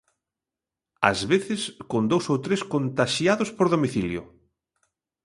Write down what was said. Ás veces con dous ou tres contaxiados por domicilio.